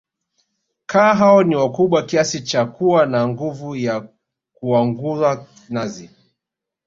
Kaa hao ni wakubwa Kiasi cha kuwa na nguvu ya kuangua nazi